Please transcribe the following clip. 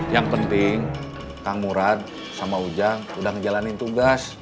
yang penting kang murad sama ujang udah ngejalanin tugas